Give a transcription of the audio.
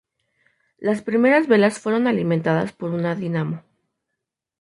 Las primeras velas fueron alimentadas por una dinamo.